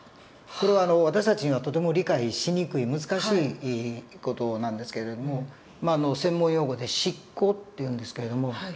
これは私たちにはとても理解しにくい難しい事なんですけれどもまあ専門用語で失行っていうんですけれども。